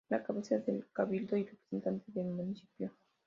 Es la cabeza del cabildo y representante del Municipio.